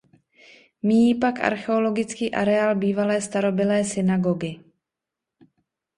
Míjí pak archeologický areál bývalé starobylé synagogy.